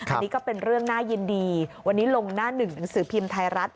อันนี้ก็เป็นเรื่องน่ายินดีวันนี้ลงหน้าหนึ่งหนังสือพิมพ์ไทยรัฐ